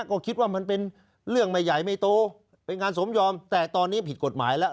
ก็คิดว่ามันเป็นเรื่องไม่ใหญ่ไม่โตเป็นงานสมยอมแต่ตอนนี้ผิดกฎหมายแล้ว